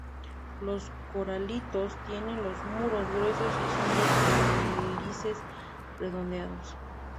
Los coralitos tienen los muros gruesos y son de cálices redondeados.